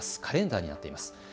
カレンダーになっています。